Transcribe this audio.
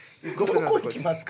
「どこ行きますか？」。